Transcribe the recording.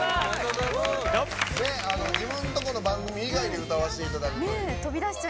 自分のところの番組以外で歌わせていただくという。